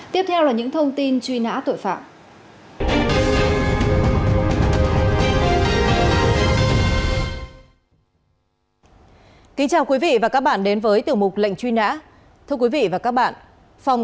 tiếp theo là những thông tin truy nã tội phạm